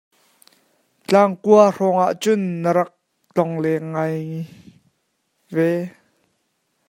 Tlangkhua hrawng ahcun ka rak tlongleng ngai ve.